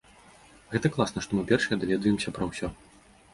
Гэта класна, што мы першыя даведваемся пра ўсё.